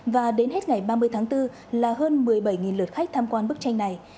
và đến hết ngày ba mươi tháng bốn là hơn một mươi bảy lượt khách tham quan bức tranh này